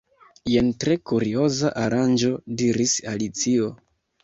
"Jen tre kurioza aranĝo," diris Alicio.